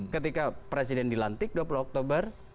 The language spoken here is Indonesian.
ketika presiden dilantik dua puluh oktober